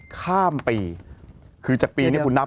ข้ามปีจากปีนี้ผมนับ